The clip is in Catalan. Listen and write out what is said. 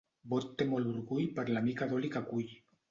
Bot té molt orgull per la mica d'oli que cull.